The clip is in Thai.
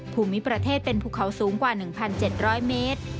ภูมิประเทศเป็นภูเขาสูงกว่า๑๗๐๐เมตร